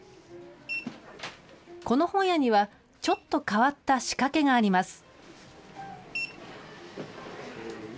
この本屋には、ちょっと変わった仕掛けがあります。